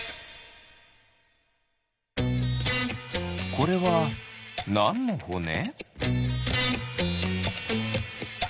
これはなんのほね？